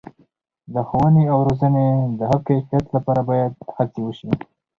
د ښوونې او روزنې د ښه کیفیت لپاره باید هڅې وشي.